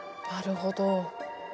なるほど。